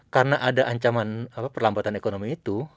karena ada ancaman apa perlambatan ekonomi itu